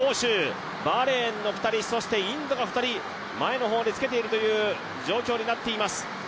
アジア大会・杭州、バーレーンの２人そして、インドが２人前の方につけているという状況になっています。